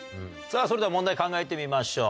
それでは問題考えてみましょう。